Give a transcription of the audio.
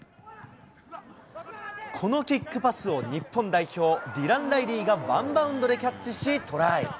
このキックパスを日本代表、ディラン・ライリーがワンバウンドでキャッチしトライ。